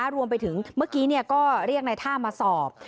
รวมไปถึงเมื่อกี้ก็เรียกในท่ามาสอบ